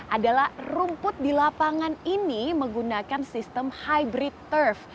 adalah rumput di lapangan ini menggunakan sistem hybrid turf